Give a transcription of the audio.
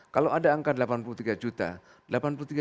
kalau ada angka delapan puluh tiga juta